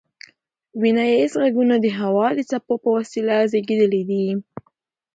ویناییز غږونه د هوا د څپو په وسیله زیږیدلي دي